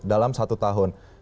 dalam satu tahun